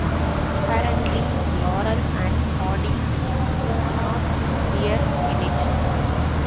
Apparently Laurel and Hardy do not appear in it.